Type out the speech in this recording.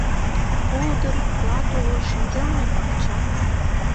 Пулдыр, клат уло, шеҥгелне пакча.